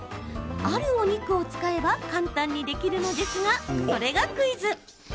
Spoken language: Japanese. あるお肉を使えば簡単にできるのですがそれがクイズ。